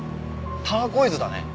ターコイズだね。